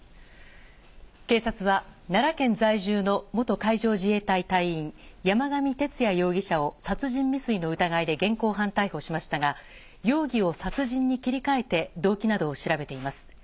警察は奈良県在住の元海上自衛隊隊員、山上徹也容疑者を殺人未遂の疑いで現行犯逮捕しましたが、容疑を殺人に切り替えて動機などを調べています。